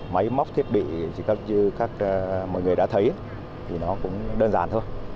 máy móc thiết bị như các mọi người đã thấy thì nó cũng đơn giản thôi